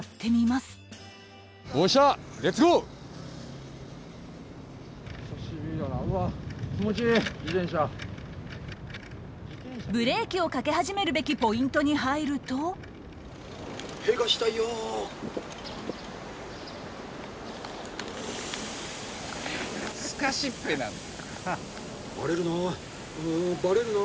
すかしっぺなんだ。